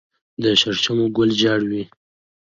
د شړشمو ګل ژیړ وي.